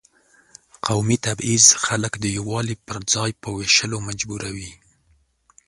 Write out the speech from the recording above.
قومي تبعیض خلک د یووالي پر ځای په وېشلو مجبوروي.